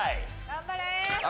頑張れ！